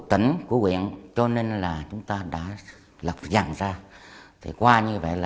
thì buông gạo thôi